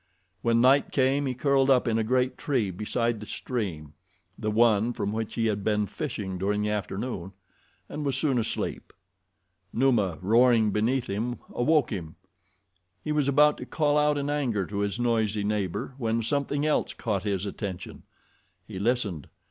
When night came he curled up in a great tree beside the stream—the one from which he had been fishing during the afternoon—and was soon asleep. Numa, roaring beneath him, awoke him. He was about to call out in anger to his noisy neighbor when something else caught his attention. He listened.